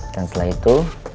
dan setelah itu